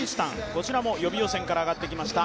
こちらも予備予選から上がってきました